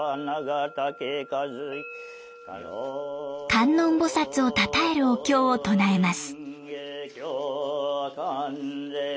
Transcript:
観音菩薩をたたえるお経を唱えます。